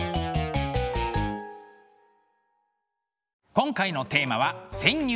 今回のテーマは「潜入！